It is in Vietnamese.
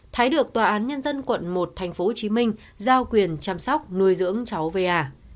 thái được tòa án nhân dân quận một tp hcm giao quyền chăm sóc nuôi dưỡng cháu va